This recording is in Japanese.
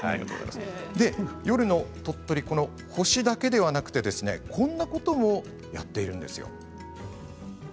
夜の鳥取星だけではなくてこんなこともやっているんですよ。